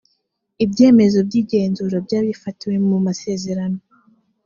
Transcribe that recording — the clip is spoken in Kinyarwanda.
ibyemezo by igenzura byabifatiwe mu masezerano